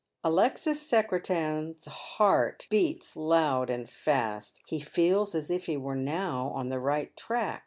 Alexis Secretan's heart beats loud and fast. He feels as if h« were now on the right track.